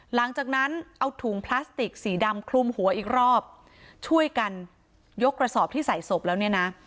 หลังจากนั้นเอาถุงพลาสติกสีดำคลุมหัวอีกรอบช่วยกันยกกระสอบที่ใส่ศพแล้วเนี่ยนะ